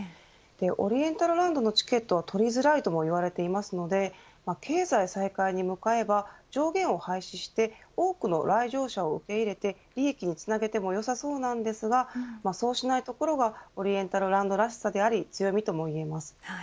オリエンタルランドのチケットは取りづらいともいわれていますので経済再開に向かえば上限を廃止して多くの来場者を受け入れて利益につなげてもよさそうなんですが、そうしないところがオリエンタルランドらしさでもあり強みともいえます。